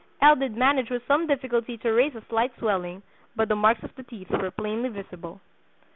L. did manage with some difficulty to raise a slight swelling, but the marks of the teeth were plainly visible."